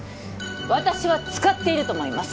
私は使っていると思います